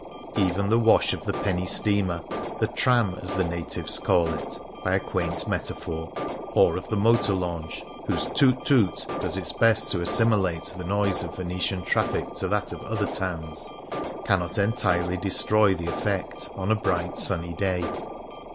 Even the wash of the penny steamer — the " Tram," as the natives call it, by a quaint metaphor — or of the motor launch (whose " Toot ! toot !" does its best to assimilate the noise of Venetian traffic to that of other towns) cannot entirely destroy the effect, on a bright sunny day.